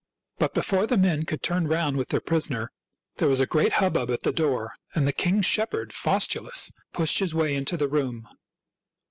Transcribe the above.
But before the men could turn round with their prisoner, there was a great hubbub at the door, and the king's shepherd, Faustulus, pushed his way into the room.